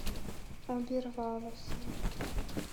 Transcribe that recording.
Обірвалася